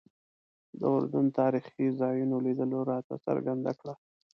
د اردن تاریخي ځایونو لیدلو راته څرګنده کړه.